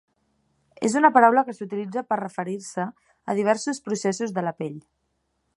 És una paraula que s'utilitza per referir-se a diversos processos de la pell.